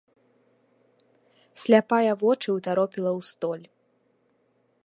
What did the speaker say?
Сляпая вочы ўтаропіла ў столь.